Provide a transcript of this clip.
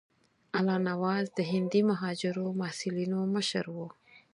الله نواز د هندي مهاجرو محصلینو مشر وو.